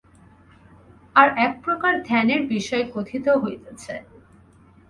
আর একপ্রকার ধ্যানের বিষয় কথিত হইতেছে।